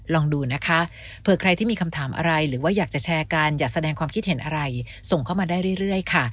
ลองดูนะคะเผื่อใครที่มีคำถามอะไรหรือว่าอยากจะแชร์กันอยากแสดงความคิดเห็นอะไรส่งเข้ามาได้เรื่อยค่ะ